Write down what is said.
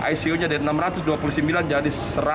icu nya dari enam ratus dua puluh sembilan jadi satu ratus dua belas